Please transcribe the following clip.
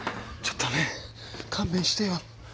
ちょっとね勘弁してよ